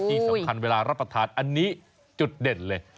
ที่สำคัญเวลารับประทานอันนี้จุดเด่นเลย